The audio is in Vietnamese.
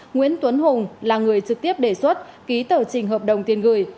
nguyễn tuấn hùng là người trực tiếp đề xuất ký tờ trình hợp đồng tiền gửi